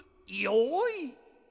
よい。